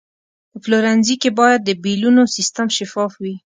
په پلورنځي کې باید د بیلونو سیستم شفاف وي.